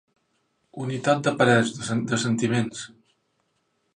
Unitat de parers, de sentiments.